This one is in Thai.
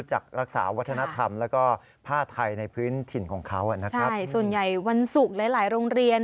ใช่ส่วนใหญ่วันศุกร์หลายโรงเรียน